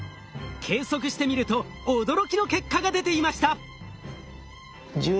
計測してみると驚きの結果が出ていました。